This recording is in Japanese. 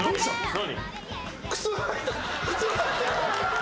何？